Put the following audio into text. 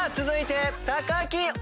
続いて木！